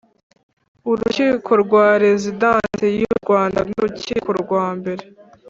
urukiko rwa Rezidansi y u Rwanda nurukiko rwa mbere